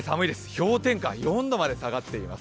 氷点下４度まで下がってます。